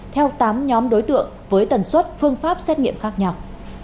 theo tám nhóm đối tượng với tần suất phương pháp xét nghiệm khác nhau